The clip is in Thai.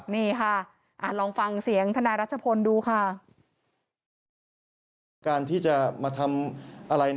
นี่ค่ะอ่านลองฟังเสียงธนรรจพลดูค่ะ